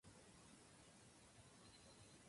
Un gran impacto.